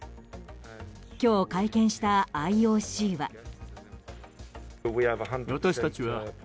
今日、会見したＩＯＣは。